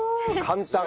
簡単。